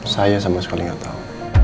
saya sama sekali gak tau